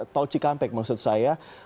tol cikampek maksud saya